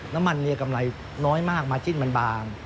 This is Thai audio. น้ำมันนี่กำไรน้อยมากมาชิ้นบาง